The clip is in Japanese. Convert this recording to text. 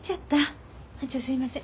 班長すいません。